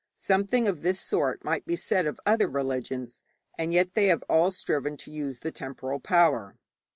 Something of this sort might be said of other religions, and yet they have all striven to use the temporal power.